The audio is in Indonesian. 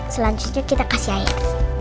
selanjutnya kita kasih air